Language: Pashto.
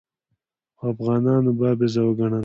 خو افغانانو بابیزه وګڼله.